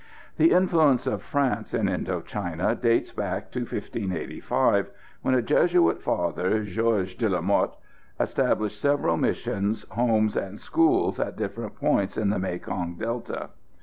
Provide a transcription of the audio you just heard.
The influence of France in Indo China dates back to 1585 when a Jesuit Father, Georges de la Mothe, established several missions, homes and schools at different points in the Mekong Delta.